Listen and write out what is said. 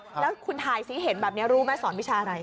แล้วคุณถ่ายซิเห็นแบบนี้รู้ไหมสอนวิชาอะไร